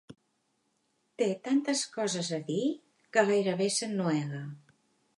Té tantes coses a dir que gairebé s'ennuega.